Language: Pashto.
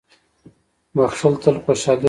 • بښل تل خوشالي راوړي.